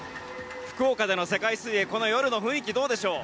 福岡での世界水泳この夜の雰囲気どうでしょうか？